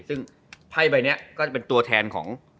ซึ่งไพ่ใบนี้ก็จะเป็นตัวแทนของ